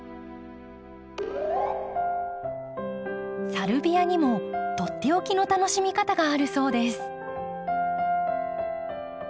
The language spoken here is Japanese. サルビアにもとっておきの楽しみ方があるそうです。